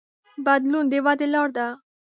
بدلون د ودې لار ده.